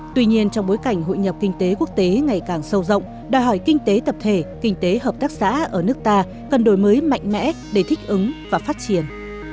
tuy nhiên trong bối cảnh hội nhập kinh tế quốc tế ngày càng sâu rộng đòi hỏi kinh tế tập thể kinh tế hợp tác xã ở nước ta cần đổi mới mạnh mẽ để thích ứng và phát triển